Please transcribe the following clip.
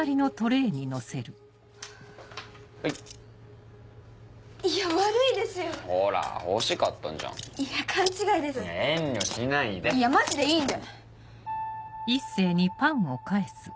はいいやマジでいいんで！